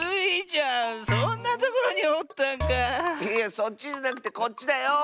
そっちじゃなくてこっちだよ！